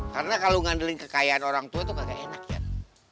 karena kalau ngandelin kekayaan orang tua itu gak enak yan